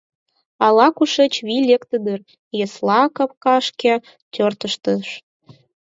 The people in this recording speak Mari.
Ала-кушеч вий лекте дыр — йосла капкашке тӧрштыш.